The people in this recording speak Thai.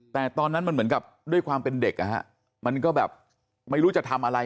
แต่ตอนนั้นมันเหมือนกับด้วยความเป็นเด็กมันก็แบบไม่รู้จะทำอะไร